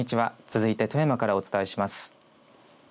続いて富山からお伝えします。